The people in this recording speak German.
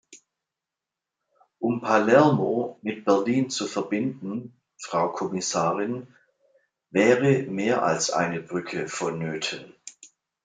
Um Palermo mit Berlin zu verbinden, Frau Kommissarin, wäre mehr als eine Brücke vonnöten.